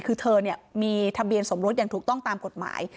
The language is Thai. คือเธอมีทะเบียนสมรสอย่างถูกต้องตามกฎหมาย